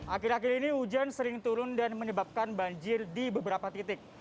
akhir akhir ini hujan sering turun dan menyebabkan banjir di beberapa titik